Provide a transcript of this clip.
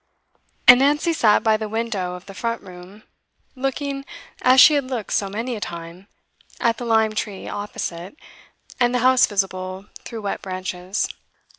And Nancy sat by the window of the front room, looking, as she had looked so many a time, at the lime tree opposite and the house visible through wet branches.